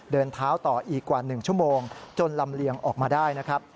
เดินเท้าต่ออีกกว่า๑ชั่วโมงจนลำเลียงออกมาได้นะครับ